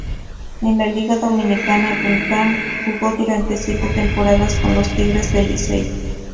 En la Liga Dominicana, "Duncan" jugó durante siente temporadas con los Tigres del Licey.